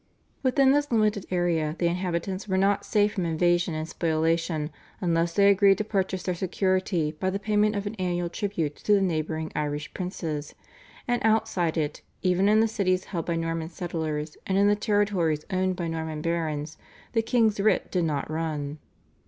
Within this limited area the inhabitants were not safe from invasion and spoliation unless they agreed to purchase their security by the payment of an annual tribute to the neighbouring Irish princes; and outside it, even in the cities held by Norman settlers and in the territories owned by Norman barons, the king's writ did not run.